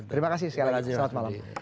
terima kasih sekali lagi selamat malam